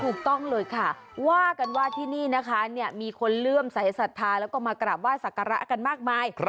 ถูกต้องเลยค่ะว่ากันว่าที่นี่นะคะมีคนเลื่อมสายศรัทธาแล้วก็มากราบไห้สักการะกันมากมาย